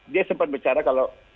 dia sempat bicara kalau